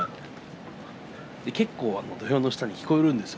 結構、土俵の下に聞こえるんですよ